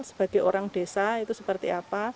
sebagai orang desa itu seperti apa